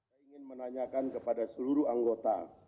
saya ingin menanyakan kepada seluruh anggota